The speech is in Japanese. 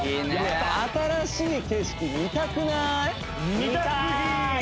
新しい景色見たくない？